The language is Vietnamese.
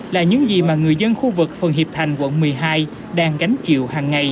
là những gì mà người dân khu vực phường hiệp thành quận một mươi hai đang gánh chịu hàng ngày